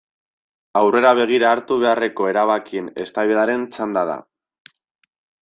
Aurrera begira hartu beharreko erabakien eztabaidaran txanda da.